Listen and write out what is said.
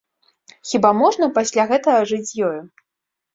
Хіба можна пасля гэтага жыць з ёю?